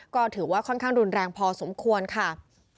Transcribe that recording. ก็ถือว่าค่อนข้างรุนแรงพอสมควรค่ะ